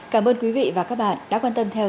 cảm ơn quý vị và các bạn đã quan tâm theo dõi